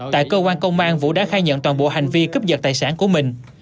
tại cơ quan công an vũ đã khai nhận toàn bộ hành vi cướp dật tài sản của mình